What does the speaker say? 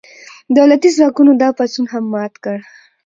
دولتي ځواکونو دا پاڅون هم مات کړ.